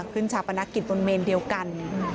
ชาปนกิจบนเมนเดียวกัน